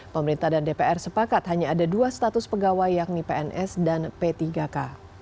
pemerintah dan dpr sepakat hanya ada dua status pegawai yakni pns dan p tiga k